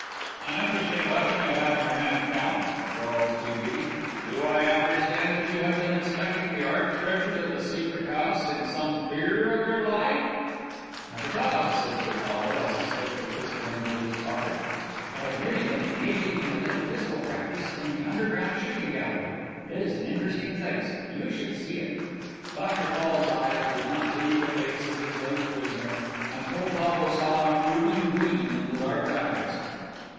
"An interesting weapon you have in your hand, Count," drawled T. B. "Do I understand that you have been inspecting the art treasures of the Secret House in some fear of your life?" "Not at all," said Poltavo, as he slipped the pistol into his pocket. "I have merely been engaged in a little pistol practice in the underground shooting gallery; it is an interesting place; you should see it." Dr. Fall's eyes did not leave the face of his late prisoner, and Poltavo saw an approving gleam in the dark eyes.